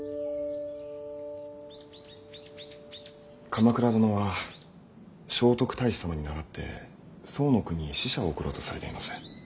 鎌倉殿は聖徳太子様に倣って宋の国へ使者を送ろうとされています。